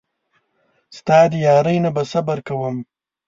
ستا د یارۍ نه به صبر کوم.